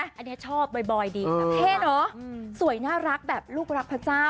อันนี้ชอบบ่อยดีแบบเท่เนอะสวยน่ารักแบบลูกรักพระเจ้า